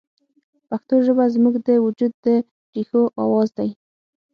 پښتو ژبه زموږ د وجود د ریښو اواز دی